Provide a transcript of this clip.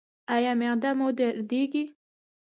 ایا معده مو دردیږي؟